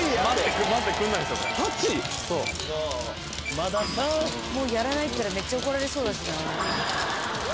これまだ３もうやらないって言ったらめっちゃ怒られそうだしなえ